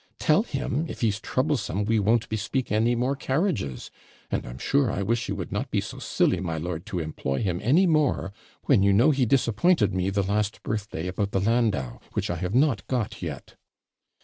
Tell him, if he's troublesome, we won't bespeak any more carriages; and, I'm sure, I wish you would not be so silly, my lord, to employ him any more, when you know he disappointed me the last birthday about the landau, which I have not got yet.'